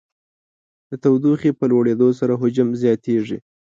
د تودوخې په لوړېدو سره حجم زیاتیږي.